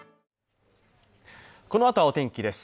このあとはお天気です。